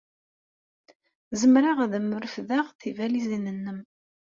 Zemreɣ ad am-refdeɣ tibalizin-nnem.